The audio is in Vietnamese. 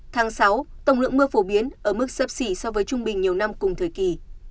tháng sáu tổng lượng mưa phổ biến ở mức sấp xỉ so với trung bình nhiều năm cùng thời kỳ